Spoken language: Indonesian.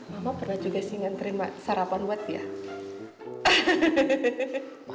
mama pernah juga sih nganterin sarapan buat dia